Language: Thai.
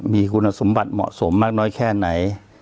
มีคุณสมบัติเหมาะสมมากน้อยแค่ไหน